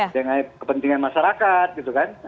dengan kepentingan masyarakat gitu kan